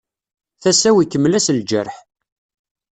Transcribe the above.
Tasa-w ikemmel-as lǧerḥ.